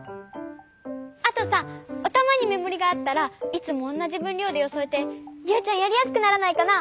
あとさおたまにめもりがあったらいつもおんなじぶんりょうでよそえてユウちゃんやりやすくならないかな？